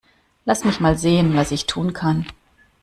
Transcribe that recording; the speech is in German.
Lass mich mal sehen, was ich tun kann.